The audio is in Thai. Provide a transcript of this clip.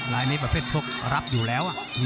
ลายในประเภทพวกรับอยู่แล้วอ่ะ